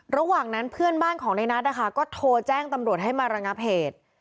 ระหว่างนั้นเพื่อนบ้านของในนัทนะคะก็โทรแจ้งตำรวจให้มาระงับเหตุ